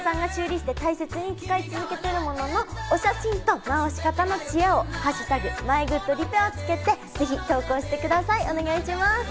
皆さんが修理して大切に使い続けているもののお写真と直し方の知恵を「＃マイグッドリペア」をつけてぜひ同行してください。